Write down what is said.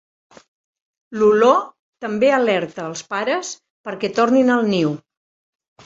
L'olor també alerta els pares perquè tornin al niu.